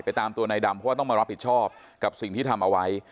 ตามตัวนายดำเพราะว่าต้องมารับผิดชอบกับสิ่งที่ทำเอาไว้